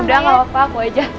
udah gak apa apa aku aja